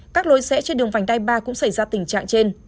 các lối sẽ trên đường vành đai ba cũng xảy ra tình trạng trên